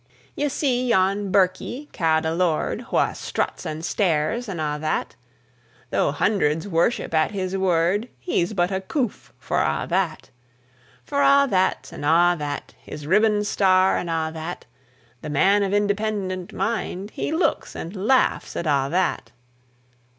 Ye see yon birkie ca'd a lord, Wha struts, and stares, and a' that; Though hundreds worship at his word, He's but a coof for a' that; For a' that, and a' that, His riband, star, and a' that, The man of independent mind, He looks and laughs at a' that.